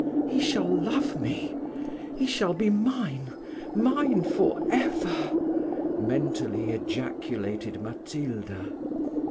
"He shall love me he shall be mine mine for ever," mentally ejaculated Matilda.